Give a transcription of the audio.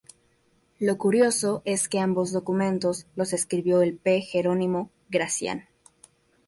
Lo curioso es que ambos documentos los escribió el P. Jerónimo Gracián.